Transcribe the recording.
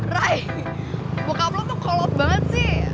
rai bokap lo tuh kolot banget sih